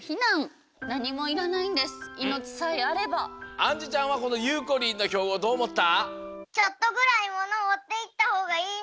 あんじゅちゃんはこのゆうこりんのひょうごどうおもった？